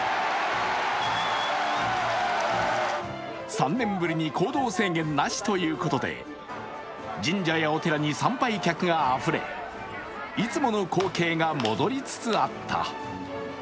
３年ぶりに行動制限なしということで神社やお寺に参拝客があふれ、いつもの光景が戻りつつあった。